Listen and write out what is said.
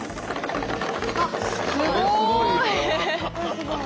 すごい。